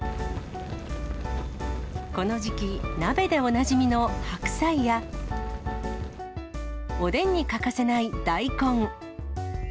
この時期、鍋でおなじみの白菜や、おでんに欠かせない大根。